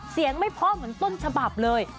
เสียงไม่เพราะเหมือนต้นฉบับเลย